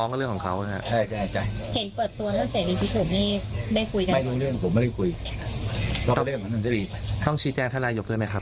หรือว่าจะเปิดอะไรแน่นอนไหมครับ